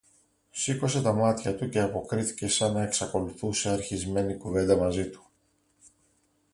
Σήκωσε τα μάτια του, και αποκρίθηκε σα να εξακολουθούσε αρχισμένη κουβέντα μαζί του: